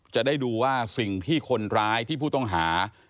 จะได้ดูว่าสิ่งที่คนร้ายที่ผู้ต้องหา